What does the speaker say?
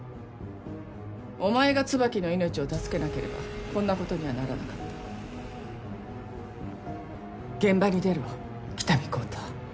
お前が椿の命を助けなければこんなことにはならなかった現場に出ろ喜多見幸太